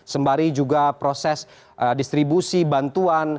sembari juga proses distribusi bantuan